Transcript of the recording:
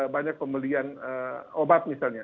banyak pembelian obat misalnya